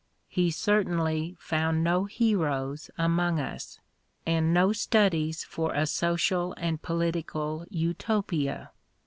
He certainly found no heroes among us, and no studies for a social and political Utopia.